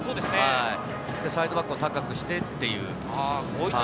サイドバックを高くしてっていう。